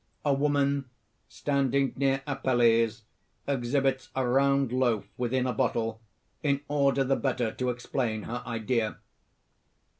A woman, standing near Appelles, exhibits a round loaf within a bottle, in order the better to explain her idea.